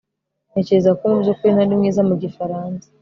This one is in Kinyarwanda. Ntekereza ko mubyukuri ntari mwiza mu gifaransa